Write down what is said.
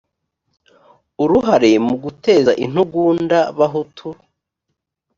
uruhare mu guteza intugunda bahutu